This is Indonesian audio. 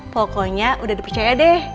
pokoknya udah dipercaya deh